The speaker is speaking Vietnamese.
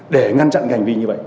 để ngăn chặn hành vi như vậy